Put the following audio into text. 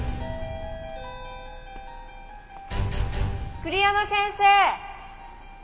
栗山先生。